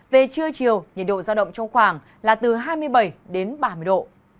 về trưa chiều nhiệt độ giao động trong khoảng là từ hai mươi bảy đến ba mươi độ